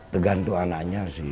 tergantung anaknya sih